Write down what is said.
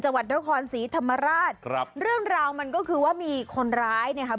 จังหวัดนครศรีธรรมราชครับเรื่องราวมันก็คือว่ามีคนร้ายเนี่ยค่ะ